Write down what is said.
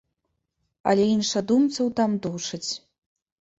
Але іншадумцаў там душаць.